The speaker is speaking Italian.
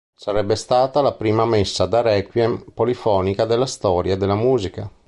Sarebbe stata la prima messa da requiem polifonica della storia della musica.